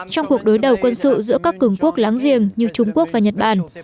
trong cuộc đối đầu quân sự giữa các cường quốc láng giềng như trung quốc và nhật bản